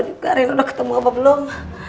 juga rina ketemu apa belum